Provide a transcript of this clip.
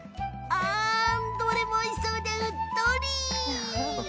どれもおいしそうでうっとり！